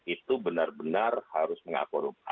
itu benar benar harus mengaku